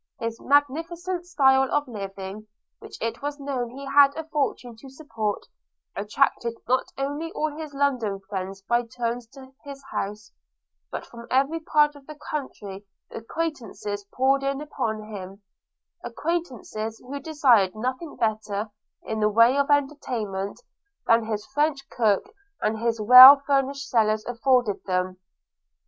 – His magnificent style of living, which it was known he had a fortune to support, attracted not only all his London friends by turns to his house, but from every part of the country acquaintance poured in upon him; acquaintance who desired nothing better, in the way of entertainment, than his French cook and his well furnished cellars afforded them.